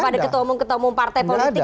kepada ketua umum ketua umum partai politik